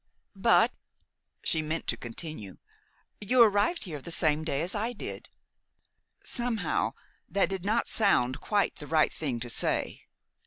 "But " She meant to continue, "you arrived here the same day as I did." Somehow that did not sound quite the right thing to say.